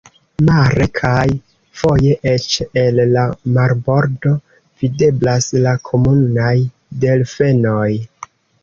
Mare kaj foje eĉ el la marbordo videblas la komunaj delfenoj.